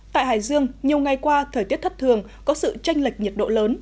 tại hải dương nhiều ngày qua thời tiết thất thường có sự tranh lệch nhiệt độ lớn